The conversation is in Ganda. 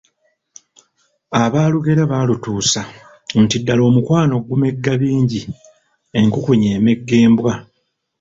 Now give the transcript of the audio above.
Abaalugera baalutuusa, nti ddala omukwano gumegga bingi, enkukunyi emegga embwa.